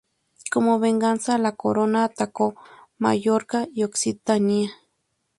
Como venganza, la Corona atacó Mallorca y Occitania.